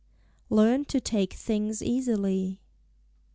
"_Learn to Take Things Easily.